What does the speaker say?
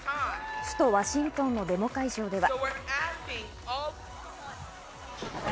首都・ワシントンのデモ会場では。